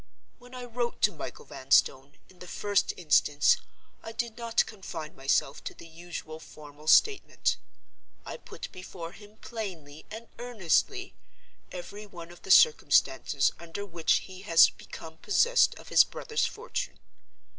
When I wrote to Michael Vanstone, in the first instance, I did not confine myself to the usual formal statement. I put before him, plainly and earnestly, every one of the circumstances under which he has become possessed of his brother's fortune.